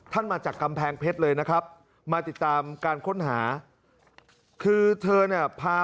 ท่านมาจากกำแพงเพชรเลยนะครับ